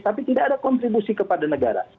tapi tidak ada kontribusi kepada negara